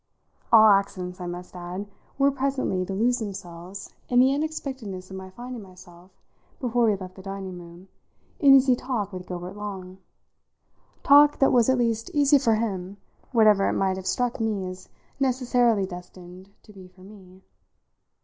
All accidents, I must add, were presently to lose themselves in the unexpectedness of my finding myself, before we left the dining room, in easy talk with Gilbert Long talk that was at least easy for him, whatever it might have struck me as necessarily destined to be for me.